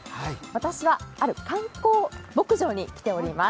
私は、ある観光牧場に来ています。